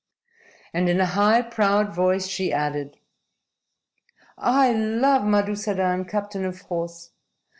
And in a high, proud voice she added: "I love Madusadan, captain of horse.